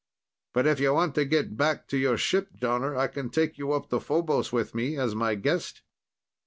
But if you want to get back to your ship, Jonner, I can take you up to Phobos with me, as my guest."